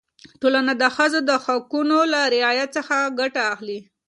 ټولنه د ښځو د حقونو له رعایت څخه ګټه اخلي.